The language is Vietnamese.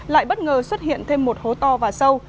lại bất ngờ xuất hiện thêm một hố to và sâu